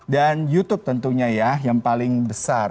dan youtube tentunya ya yang paling besar